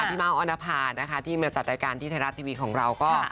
พี่เม้าออนภานะคะที่มาจัดรายการที่ไทยรัฐทีวีของเราก็